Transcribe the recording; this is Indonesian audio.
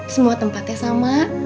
semua tempatnya sama